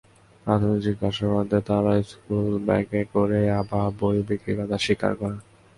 প্রাথমিক জিজ্ঞাসাবাদে তাঁরা স্কুলব্যাগে করে ইয়াবা বড়ি বিক্রির কথা স্বীকার করেছেন।